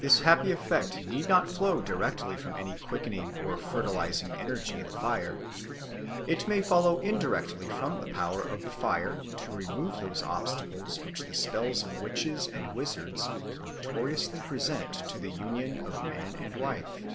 This happy effect need not flow directly from any quickening or fertilising energy in the fire; it may follow indirectly from the power of the fire to remove those obstacles which the spells of witches and wizards notoriously present to the union of man and wife.